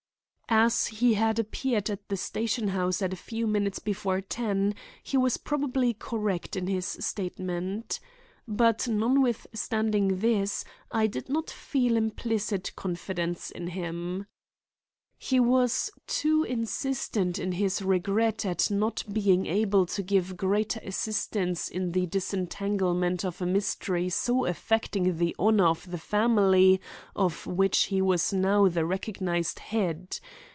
As he had appeared at the station house at a few minutes before ten he was probably correct in this statement. But, notwithstanding this, I did not feel implicit confidence in him. He was too insistent in his regret at not being able to give greater assistance in the disentanglement of a mystery so affecting the honor of the family of which he was now the recognized head.